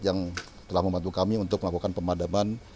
yang telah membantu kami untuk melakukan pemadaman